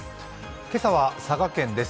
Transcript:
今朝は佐賀県です。